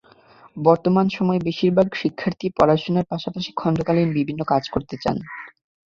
বর্তমান সময়ে বেশির ভাগ শিক্ষার্থীই পড়াশোনার পাশাপাশি খণ্ডকালীন বিভিন্ন কাজ করতে চান।